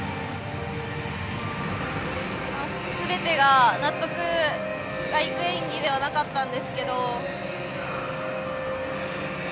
全てが納得がいく演技ではなかったんですけど。